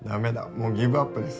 もうギブアップです。